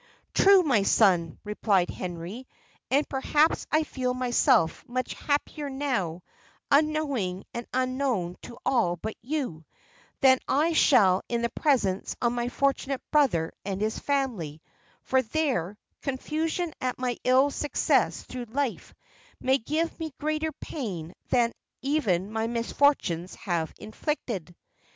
"True, my son," replied Henry; "and perhaps I feel myself much happier now, unknowing and unknown to all but you, than I shall in the presence of my fortunate brother and his family; for there, confusion at my ill success through life may give me greater pain than even my misfortunes have inflicted."